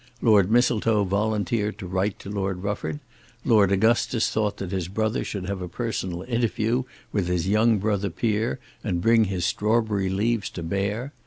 Lord Mistletoe volunteered to write to Lord Rufford; Lord Augustus thought that his brother should have a personal interview with his young brother peer and bring his strawberry leaves to bear.